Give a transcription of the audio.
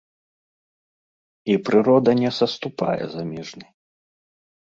І прырода не саступае замежнай.